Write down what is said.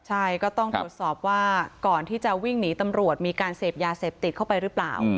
ใช่ก็ต้องตรวจสอบว่าก่อนที่จะวิ่งหนีตำรวจมีการเสพยาเสพติดเข้าไปหรือเปล่า